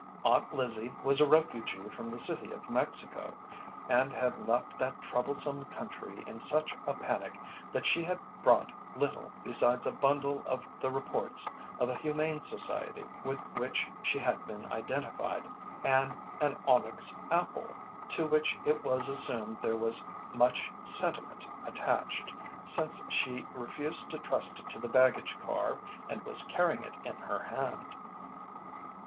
"Aunt Lizzie" was a refugee from the City of Mexico, and had left that troublesome country in such a panic that she had brought little besides a bundle of the reports of a Humane Society with which she had been identified, and an onyx apple, to which it was assumed there was much sentiment attached, since she refused to trust it to the baggage car, and was carrying it in her hand.